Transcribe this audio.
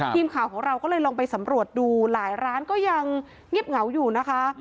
ทีมข่าวของเราก็เลยลองไปสำรวจดูหลายร้านก็ยังเงียบเหงาอยู่นะคะ